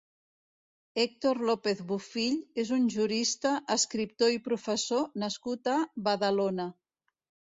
Hèctor López Bofill és un jurista, escriptor i professor nascut a Badalona.